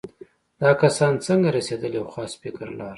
دا کسان څنګه رسېدل یو خاص فکر لاره.